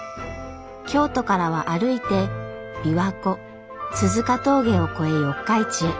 京都からは歩いて琵琶湖鈴鹿峠を越え四日市へ。